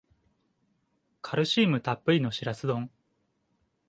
カルシウムたっぷりのシラス丼